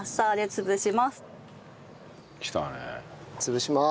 潰します。